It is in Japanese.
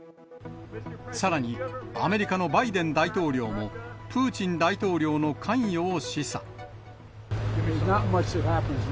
さらにアメリカのバイデン大統領も、プーチン大統領の関与を示唆。